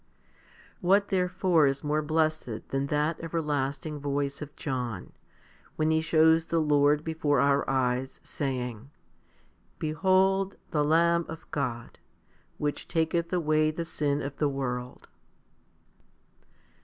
What therefore is more blessed than that everlasting voice of John, when he shows the Lord before our eyes, saying, Behold the Lamb of God, which taketh away the sin of the world.